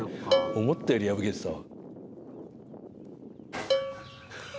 思ったより破けてたわ。